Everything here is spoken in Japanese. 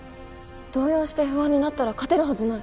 動揺して不安になったら勝てるはずない